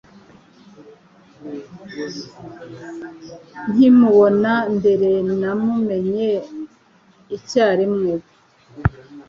Nkimubona mbere, namumenye icyarimwe.